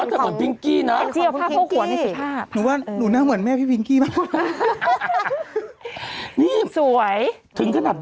ใช่พี่นั๊ตมือเรียก็เหมือนกัน